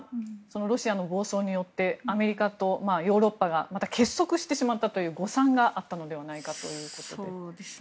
ロシアの暴走によってアメリカとヨーロッパが結束してしまったという誤算があったのではないかということです。